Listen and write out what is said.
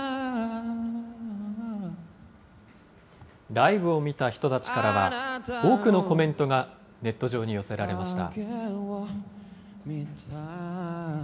ライブを見た人たちからは、多くのコメントがネット上に寄せられました。